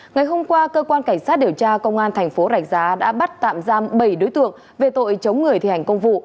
ngày hôm qua cơ quan cảnh sát điều tra công an thành phố rạch giá đã bắt tạm giam bảy đối tượng về tội chống người thi hành công vụ